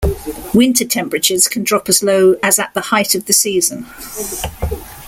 Winter temperatures can drop as low as at the height of the season.